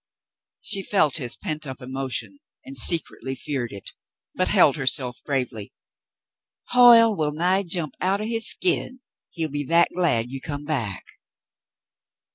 She felt his pent up emotion and secretly feared it, but held herself bravely. "Hoyle will nigh jump out of his skin, he'll be that glad you come back."